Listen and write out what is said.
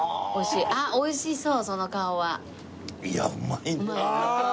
うわっおいしそう！